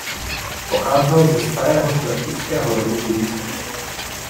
Pocházel ze starého šlechtického rodu Kinských.